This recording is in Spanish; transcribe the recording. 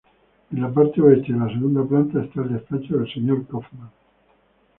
En la parte oeste de la segunda planta está el despacho del señor Kaufmann.